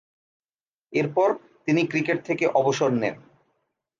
এরপর তিনি ক্রিকেট থেকে অবসর নেন।